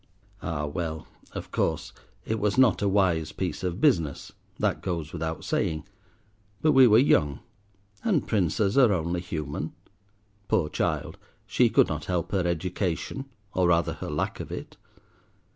Ah well, of course, it was not a wise piece of business, that goes without saying; but we were young, and Princes are only human. Poor child, she could not help her education, or rather her lack of it.